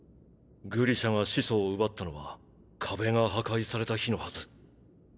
グリシャが始祖を奪ったのは壁が破壊された日のはず。